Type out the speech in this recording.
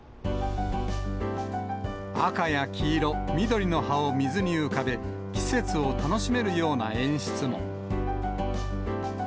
赤や黄色、緑の葉を水に浮かべ、季節を楽しめるような演出も。